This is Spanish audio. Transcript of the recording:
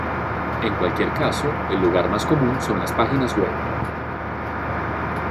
En cualquier caso, el lugar más común son las páginas web.